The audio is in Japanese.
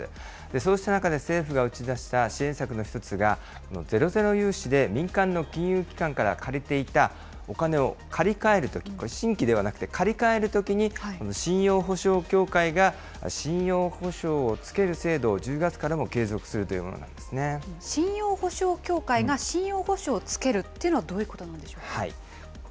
そうした中で、政府が打ち出した支援策の１つが、ゼロゼロ融資で民間の金融機関から借りていたお金を借り換えるとき、新規ではなくて借り換えるときに、この信用保証協会が信用保証をつける制度を１０月からも継続する信用保証協会が信用保証をつけるっていうのはどういうことなんでしょう。